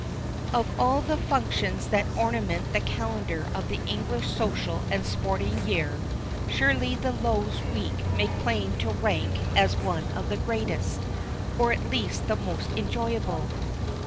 * Of all the functions that ornament the calendar of the English social and sporting year, surely the Lowes week may claim to rank as one of the greatest, or at least the most enjoyable.